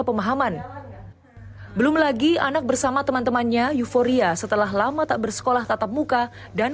pemahaman belum lagi anak bersama teman temannya euforia setelah lama tak bersekolah tatap muka dan